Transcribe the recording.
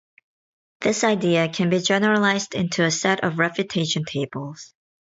This idea can be generalized into a set of refutation tables.